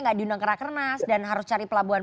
enggak diundang kerak renas dan harus cari pelabuhan